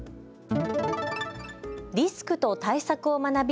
リスクと対策を学び